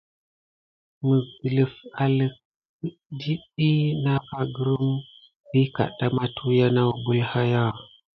Məs dələf alək dit ɗiy na aka grum vi kaɗɗa matuhya nawbel haya.